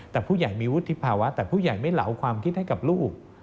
แต่ผู้ใหญ่มีวุฒิภาวะแต่ผู้ใหญ่ไม่เหลาความคิดให้กับลูก